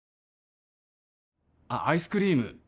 あっアイスクリーム